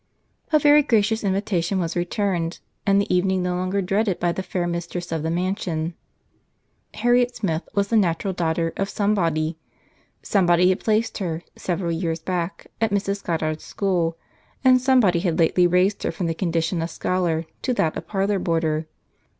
A very gracious invitation was returned, and the evening no longer dreaded by the fair mistress of the mansion. Harriet Smith was the natural daughter of somebody. Somebody had placed her, several years back, at Mrs. Goddard's school, and somebody had lately raised her from the condition of scholar to that of parlour boarder.